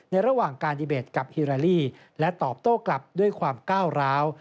ระหว่างการดีเบตกับฮิลาลีและตอบโต้กลับด้วยความก้าวร้าว